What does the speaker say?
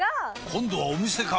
今度はお店か！